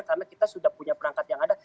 karena kita sudah punya perangkat yang ada